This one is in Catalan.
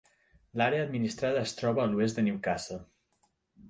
L'àrea administrada es troba a l'oest de Newcastle.